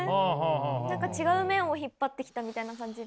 何か違う面を引っ張ってきたみたいな感じで。